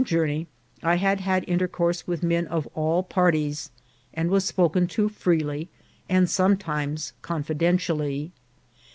135 journey I had had intercourse with men of all parties, and was spoken to freely, and sometimes confidentially.